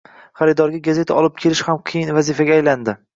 Xaridorga gazeta olib kelish ham qiyin vazifaga aylandi